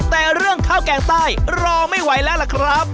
แต่เรื่องข้าวแกงใต้รอไม่ไหวแล้วล่ะครับ